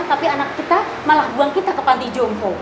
tapi anak kita malah buang kita ke panti jompo